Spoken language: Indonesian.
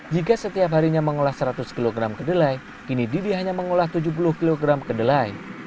jika setiap harinya mengolah seratus kg kedelai kini didi hanya mengolah tujuh puluh kg kedelai